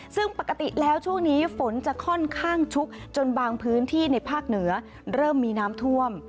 ซึ่งปกติแล้วช่วงนี้ฝนจะค่อนข้างชุกจนบางพื้นที่ในภาคเหนือเริ่มมีน้ำท่วม